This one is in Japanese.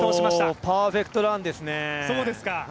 おお、パーフェクトランですね。